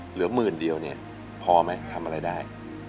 เหลือหมื่นเดียวเนี่ยพอไหมทำอะไรได้